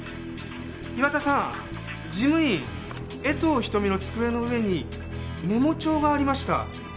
岩田さん事務員江藤日登美の机の上にメモ帳がありました。